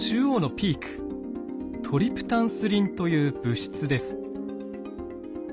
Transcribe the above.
トリプタンスリンという物質です。